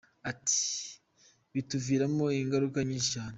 Ati “ Bituviramo ingaruka nyinshi cyane.